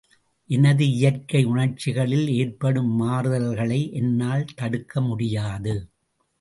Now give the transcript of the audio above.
எனது இயற்கை உணர்ச்சிகளில் ஏற்படும் மாறுதல்களை என்னால் தடுக்க முடியாது.